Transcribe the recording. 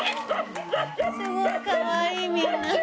すごいかわいい、みんな。